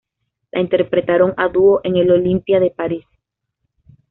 La interpretaron a dúo en el Olympia de París.